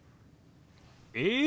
え？